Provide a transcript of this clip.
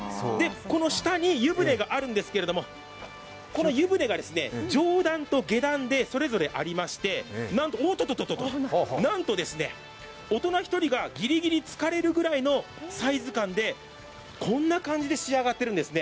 この下に湯船があるんですけれどもこの湯船が上段と下段とそれぞれありましてなんと大人１人がぎりぎりつかれるぐらいのサイズ感でこんな感じで仕上がっているんですよね。